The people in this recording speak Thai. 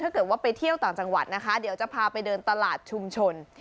ถ้าเกิดว่าไปเที่ยวต่างจังหวัดนะคะเดี๋ยวจะพาไปเดินตลาดชุมชน